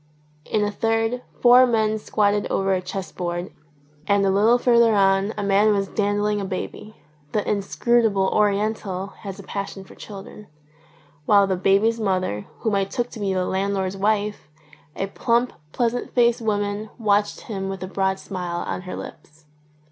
In a third four men squatted over a chess board, and a little further on a man was dandling a baby (the inscrutable Oriental has a passion for children) while the baby's mother, whom I took to be the landlord's wife, a plump, pleasant faced woman, watched him with a broad smile on her lips.